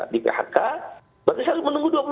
di phk berarti saya harus menunggu